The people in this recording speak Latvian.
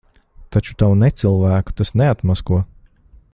Taču tavu necilvēku tas neatmasko.